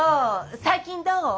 最近どう？